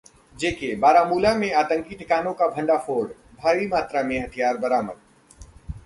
J-K: Baramulla में आतंकी ठिकाने का भंडाफोड़, भारी मात्रा में हथियार बरामद